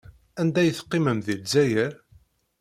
Anda ay teqqimem deg Lezzayer?